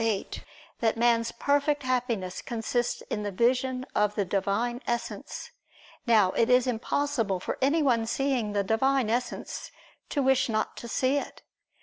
8) that man's perfect Happiness consists in the vision of the Divine Essence. Now it is impossible for anyone seeing the Divine Essence, to wish not to see It.